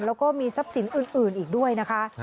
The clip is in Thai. แล้วก็มีทรัพย์สินอื่นอีกด้วยนะคะ